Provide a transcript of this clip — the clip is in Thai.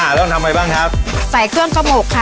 อ่าแล้วทำอะไรบ้างครับใส่เครื่องกระหมกค่ะอ๋อ